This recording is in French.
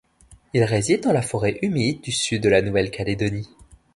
Il réside dans la forêt humide du sud de la Nouvelle-Calédonie.